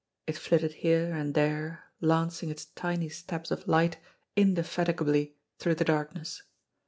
It flitted here and there, lancing its tiny stabs of light indefatigably through the darkness.